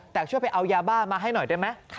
แต่ช่วยไปเอายาบ้ามาให้หน่อยได้ไหม